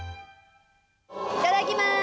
いただきます。